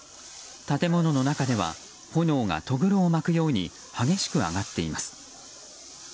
建物の中では炎がとぐろを巻くように激しく上がっています。